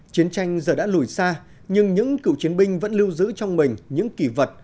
chiến tranh giờ đã lùi xa nhưng những cựu chiến binh vẫn lưu giữ trong mình những kỳ vật